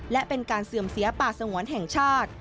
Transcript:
และเป็นการเสื่อมเสียป่าสงวนแห่งชาติ